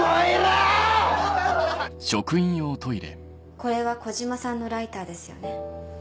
これは小嶋さんのライターですよね。